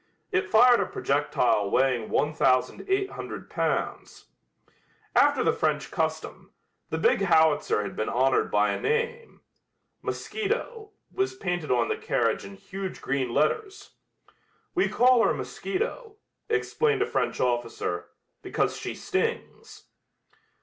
It fired a projectile weighing 1800 pounds. After the French custom, the big howitzer had been honored by a name. "Mosquito" was painted on the carriage in huge green letters. "We call her mosquito," explained a French officer, "because she stings."